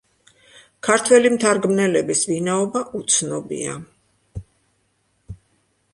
ქართველი მთარგმნელების ვინაობა უცნობია.